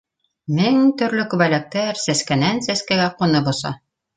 Мең төрлө күбәләктәр сәскәнән сәскәгә ҡунып оса